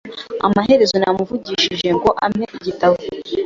Amaherezo namuvugishije ngo ampe igitabo.